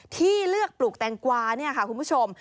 ที่เลือกปลูกแตงกวาเนี่ยค่ะคุณผู้ชม